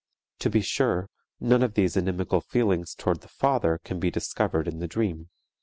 To be sure, none of these inimical feelings toward the father can be discovered in the dream.